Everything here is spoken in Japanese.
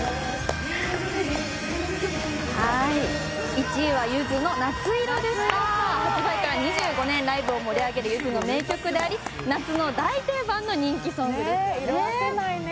１位はゆずの「夏色」でした発売から２５年ライブを盛り上げるゆずの名曲であり夏の大定番の人気ソングですねねぇ色あせないね